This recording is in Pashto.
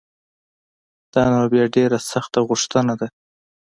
دا نو بیا ډېره سخته غوښتنه ده